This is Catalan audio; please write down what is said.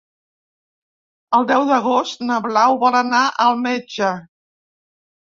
El deu d'agost na Blau vol anar al metge.